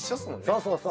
そうそうそう。